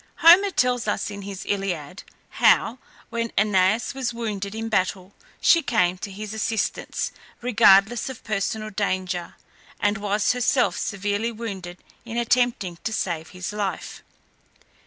Homer tells us in his Iliad, how, when Æneas was wounded in battle, she came to his assistance, regardless of personal danger, and was herself severely wounded in attempting to save his life.